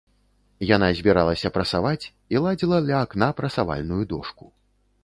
Яна збіралася прасаваць і ладзіла ля акна прасавальную дошку.